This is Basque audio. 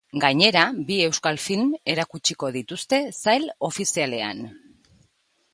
Gainera, bi euskal film erakutsiko dituzte sail ofizialean.